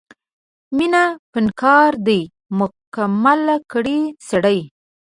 مینه فنکار دی مکمل کړي سړی